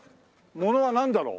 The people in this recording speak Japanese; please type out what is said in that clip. ものはなんだろう？